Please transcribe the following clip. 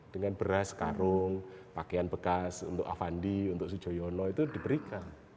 dengan beras karung pakaian bekas untuk avandi untuk sujoyono itu diberikan